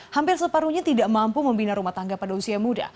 hampir separuhnya tidak mampu membina rumah tangga pada usia muda